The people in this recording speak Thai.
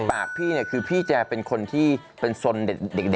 ปากพี่คือเป็นคนที่เป็นทรนเด็ก